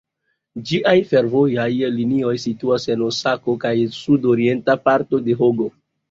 Ĝiaj fervojaj linioj situas en Osako kaj sud-orienta parto de Hjogo.